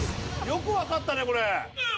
よくわかったねこれ。